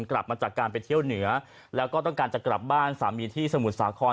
กลับมาจากการไปเที่ยวเหนือแล้วก็ต้องการจะกลับบ้านสามีที่สมุทรสาคร